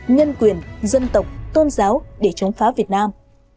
nhân quyền dân tộc tôn giáo để chống phá việt nam